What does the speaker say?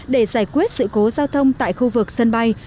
để giải quyết sự cố giao thông tại khu vực sân bay